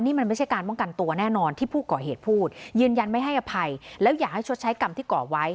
นี่มันไม่ใช่การป้องกันตัวแน่นอนที่ผู้ก่อเหตุพูดยืนยันไม่ให้อภัยแล้วอยากให้ชดใช้กรรมที่ก่อไว้